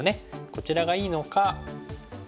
こちらがいいのか。